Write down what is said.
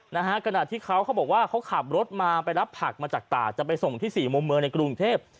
นะฮะขณะที่เขาเขาบอกว่าเขาขับรถมาไปรับผักมาจากตาจะไปส่งที่สี่มุมเมืองในกรุงเทพ